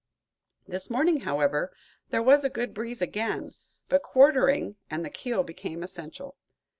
This morning, however, there was a good breeze again, but quartering, and the keel became essential.